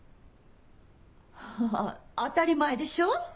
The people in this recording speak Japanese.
あ当たり前でしょ。